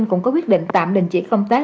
cũng có quyết định tạm đình chỉ công tác